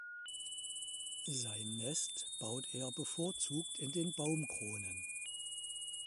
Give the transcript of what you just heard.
Sein Nest baut er bevorzugt in den Baumkronen.